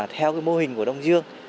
theo mô hình của đông dương